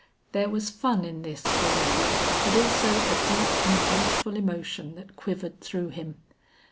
There was fun in this for Wade, but also a deep and beautiful emotion that quivered through him.